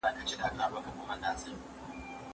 بالښتونه او پوښونه باید منظم وینځل شي.